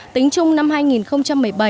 tính chung năm hai nghìn một mươi bảy